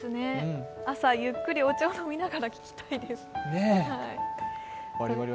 朝ゆっくりお茶を飲みながら聴きたいです。